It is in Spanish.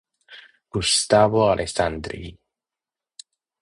Gustavo Alessandri